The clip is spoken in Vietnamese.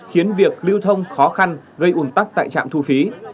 khiến việc lưu thông khó khăn gây ủn tắc tại trạm thu phí